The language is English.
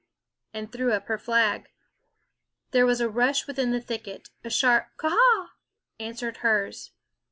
and threw up her flag. There was a rush within the thicket ; a sharp k a a h ! answered hers.